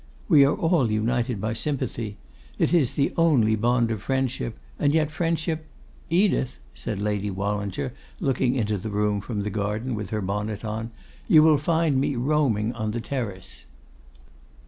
'We are all united by sympathy. It is the only bond of friendship; and yet friendship ' 'Edith,' said Lady Wallinger, looking into the room from the garden, with her bonnet on, 'you will find me roaming on the terrace.